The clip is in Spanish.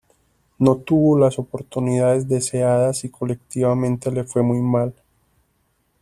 No tuvo las oportunidades deseadas y colectivamente le fue muy mal.